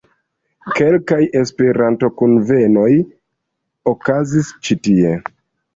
Kelkaj Esperanto-kunvenoj okazis ĉi tie.